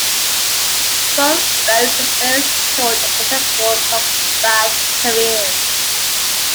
Both boats experienced short, but successful combat careers.